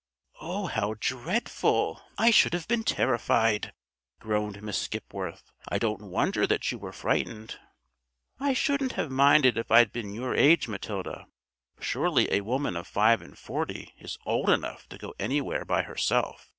"Oh, how dreadful! I should have been terrified," groaned Miss Skipworth. "I don't wonder that you were frightened." "I shouldn't have minded if I'd been your age, Matilda: surely a woman of five and forty is old enough to go anywhere by herself!